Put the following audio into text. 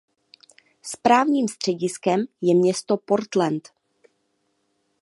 Správním střediskem je město Portland.